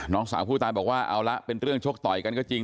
น้องสาวผู้ตายบอกว่าเอาละเป็นเรื่องชกต่อยกันก็จริง